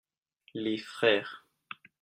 Les frères.